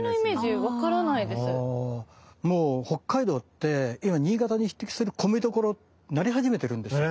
もう北海道って今新潟に匹敵する米どころなり始めてるんですよ。